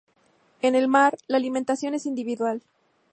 En el mar, la alimentación es individual.